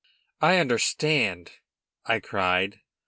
"I understand!" I cried.